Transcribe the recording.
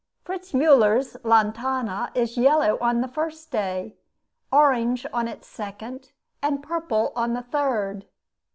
Fritz Müller's Lantana is yellow on its first day, orange on its second, and purple on the third.